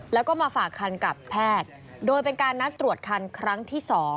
แล้วก็มาฝากคันกับแพทย์โดยเป็นการนัดตรวจคันครั้งที่๒